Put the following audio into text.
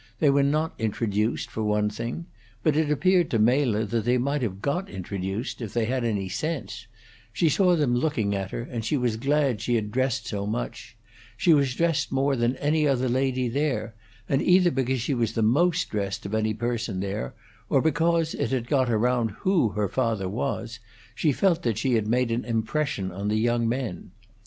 They were not introduced, for one thing; but it appeared to Mela that they might have got introduced, if they had any sense; she saw them looking at her, and she was glad she had dressed so much; she was dressed more than any other lady there, and either because she was the most dressed of any person there, or because it had got around who her father was, she felt that she had made an impression on the young men.